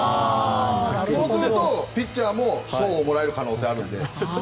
そうすると、ピッチャーも賞をもらえる可能性があるので。